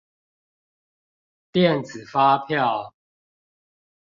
電子發票